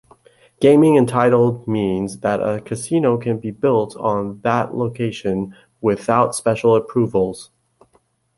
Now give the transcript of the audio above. Gaming-entitled means that a casino can be built on that location without special approvals.